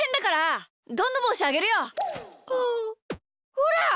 ほら！